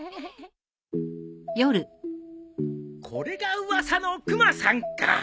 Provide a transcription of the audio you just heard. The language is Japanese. これが噂のクマさんか。